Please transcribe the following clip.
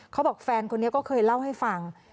เขาบอกแฟนคนนี้ก็เคยเล่าให้ฟัง